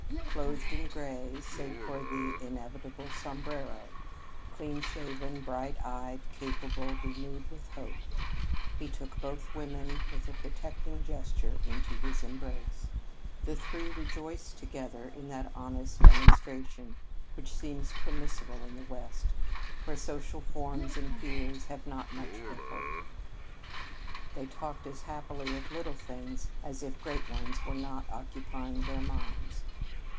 Clothed in gray, save for the inevitable sombrero, clean shaven, bright eyed, capable, renewed with hope, he took both women with a protecting gesture into his embrace. The three rejoiced together in that honest demonstration which seems permissible in the West, where social forms and fears have not much foothold. They talked as happily of little things as if great ones were not occupying their minds.